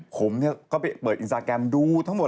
ผมก็ไปเปิดอินสตาแกรมดูทั้งหมด